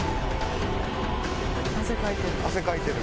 汗かいてる。